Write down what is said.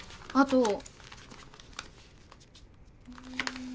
あと。